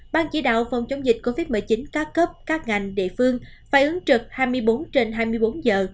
ban chỉ đạo phòng chống dịch covid một mươi chín các cấp các ngành địa phương phải ứng trực hai mươi bốn trên hai mươi bốn giờ